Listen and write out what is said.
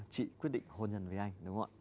chị quyết định hôn nhân với anh